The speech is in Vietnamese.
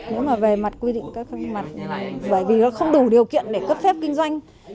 nếu mà về mặt quy định các mặt bởi vì nó không đủ điều kiện để cấp phép kinh doanh